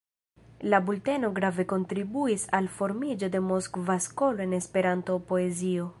La bulteno grave kontribuis al formiĝo de Moskva skolo en Esperanto-poezio.